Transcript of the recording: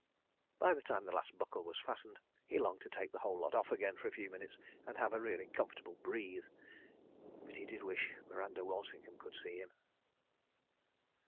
By the time the last buckle was fastened, he longed to take the whole lot off again for a few minutes, and have a really comfortable breathe. (But he did wish Miranda Walsingham could see him.)